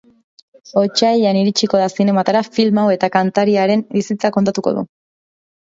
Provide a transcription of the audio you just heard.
Otsailean iritsiko da zinemetara film hau eta kantariaren bizitza kontatuko du.